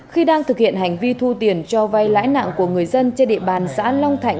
khi đang thực hiện hành vi thu tiền cho vay lãi nặng của người dân trên địa bàn xã long thạnh